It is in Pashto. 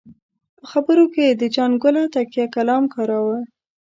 په خبرو کې یې د جانه ګله تکیه کلام کاراوه.